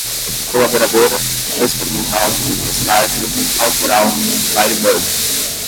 colaboradora, experimental, estágio, autoral, firebird